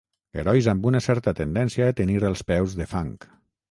Herois amb una certa tendència a tenir els peus de fang.